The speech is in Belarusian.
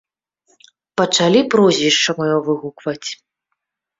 Пачалі прозвішча маё выгукваць.